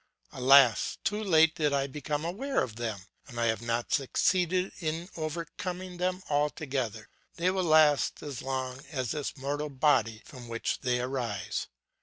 Alas! too late did I become aware of them, and I have not succeeded in overcoming them altogether; they will last as long as this mortal body from which they arise.